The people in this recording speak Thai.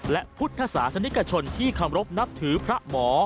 และพุทธศาสนิกชนที่เคารพนับถือพระหมอ